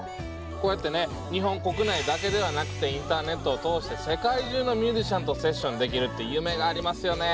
こうやってね日本国内だけではなくてインターネットを通して世界中のミュージシャンとセッションできるって夢がありますよね。